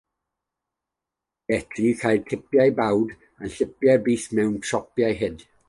Gellir cael tipiau bawd a thipiau bys mewn siopau hud.